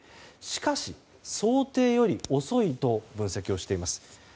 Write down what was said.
しかし、想定より遅いと分析をしています。